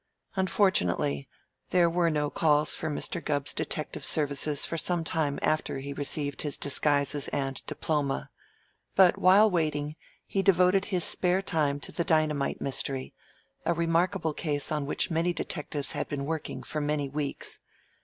Unfortunately there were no calls for Mr. Gubb's detective services for some time after he received his disguises and diploma, but while waiting he devoted his spare time to the dynamite mystery, a remarkable case on which many detectives had been working for many weeks.